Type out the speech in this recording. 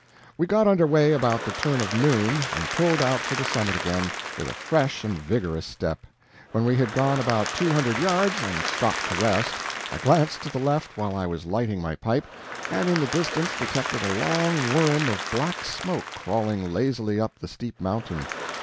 We got under way about the turn of noon, and pulled out for the summit again, with a fresh and vigorous step. When we had gone about two hundred yards, and stopped to rest, I glanced to the left while I was lighting my pipe, and in the distance detected a long worm of black smoke crawling lazily up the steep mountain.